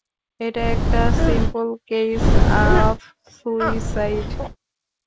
এটা একটা simple case of suicide.